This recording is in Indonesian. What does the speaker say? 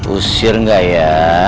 usir gak ya